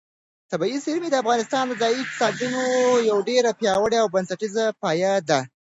طبیعي زیرمې د افغانستان د ځایي اقتصادونو یو ډېر پیاوړی او بنسټیز پایایه دی.